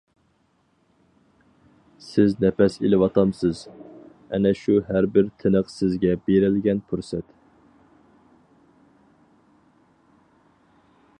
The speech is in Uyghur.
سىز نەپەس ئېلىۋاتامسىز، ئەنە شۇ ھەر بىر تىنىق سىزگە بېرىلگەن پۇرسەت.